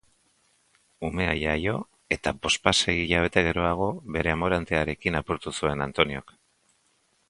Umea jaio eta bospasei hilabete geroago bere amorantearekin apurtu zuen Antoniok.